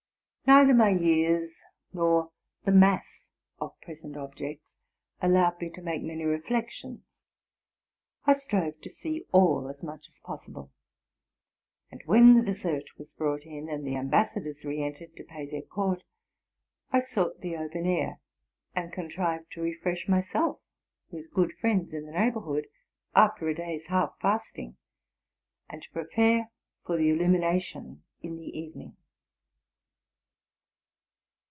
Neither my years nor the mass of present objects allowed me to make many reflections. I strove to see all as much as possible ; and when the dessert was brought in, and the ambassadors re entered to pay their court, I sought the open air, and contrived to refresh myself with good friends in the neighborhood, after a Gay's half fasting, and to prepare for the illumination in the evening.